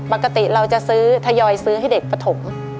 ปกติเราจะซื้อทยอยซื้อให้เด็กปฐม